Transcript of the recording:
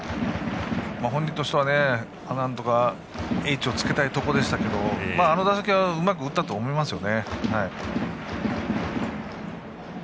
本人としては、なんとかＨをつけたかったところですがあの打席はうまく打ったと思いますよ。